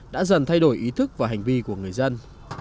đã dần thay đổi ý thức và hành vi của người dân